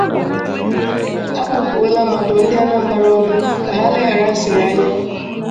A kpọkuola ma dụọ ndị Anambra ọdụ ka ha leghara asịrị anya